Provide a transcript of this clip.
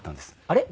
あれ？